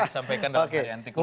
yang disampaikan dalam antikul